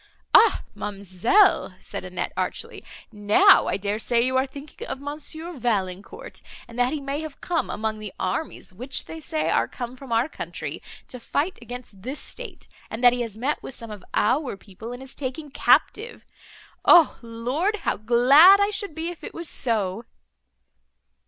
"Ah ma'amselle!" said Annette archly, "now I dare say you are thinking of Monsieur Valancourt, and that he may have come among the armies, which, they say, are come from our country, to fight against this state, and that he has met with some of our people, and is taken captive. O Lord! how glad I should be, if it was so!"